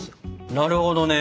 なるほどね。